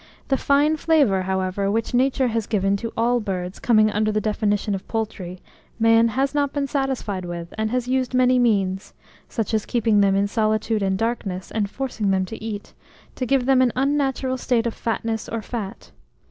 The fine flavour, however, which Nature has given to all birds coming under the definition of poultry, man has not been satisfied with, and has used many means such as keeping them in solitude and darkness, and forcing them to eat to give them an unnatural state of fatness or fat.